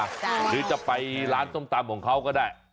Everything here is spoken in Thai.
หรือจะไปร้านส้มตำของเขาก็ได้